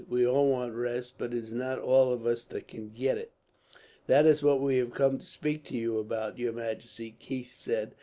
We all want rest, but it is not all of us that can get it." "That is what he has come to speak to you about, your majesty," Keith said.